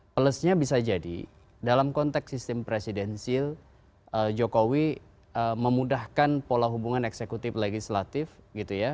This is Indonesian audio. plusnya bisa jadi dalam konteks sistem presidensil jokowi memudahkan pola hubungan eksekutif legislatif gitu ya